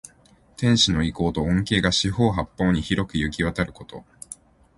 天子の威光と恩恵が四方八方に広くゆきわたること。